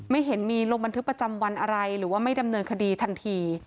ไม่เห็นมีลงบันทึกประจำวันอะไรหรือว่าไม่ดำเนินคดีทันที